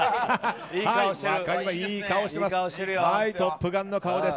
いい顔してます。